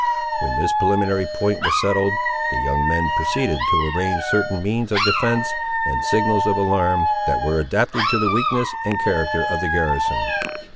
When this preliminary point was settled, the young men proceeded to arrange certain means of defence, and signals of alarm, that were adapted to the weakness and character of the garrison.